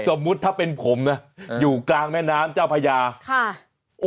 สมมุติถ้าเป็นผมนะอยู่กลางแม่น้ำเจ้าพญาค่ะ